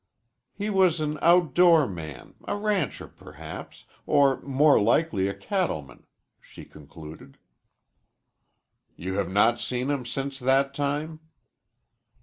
"He was an outdoor man, a rancher, perhaps, or more likely a cattleman," she concluded. "You have not seen him since that time?"